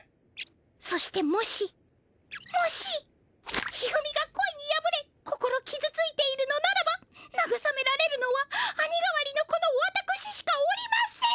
そしてもしもし一二三が恋にやぶれ心きずついているのならばなぐさめられるのは兄代わりのこのわたくししかおりません！